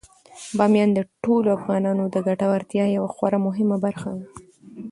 بامیان د ټولو افغانانو د ګټورتیا یوه خورا مهمه برخه ده.